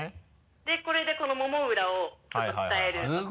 でこれでこのもも裏をちょっと鍛えるとか。